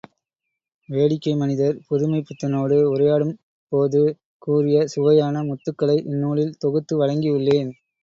வேடிக்கை மனிதர் புதுமைப்பித்தனோடு உரையாடும் போது கூறிய சுவையான முத்துக்களை இந்நூலில் தொகுத்து வழங்கியுள்ளேன்.